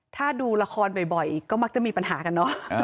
ถ้าดูละครบ่อยก็มักจะมีปัญหากันเนอะ